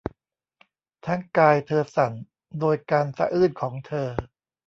ทั้งกายเธอสั่นโดยการสะอื้นของเธอ